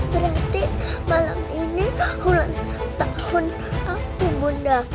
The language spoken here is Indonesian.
berarti malam ini ulang tahun aku bunda